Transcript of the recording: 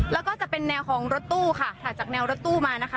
แล้วก็จะเป็นแนวของรถตู้ค่ะถัดจากแนวรถตู้มานะคะ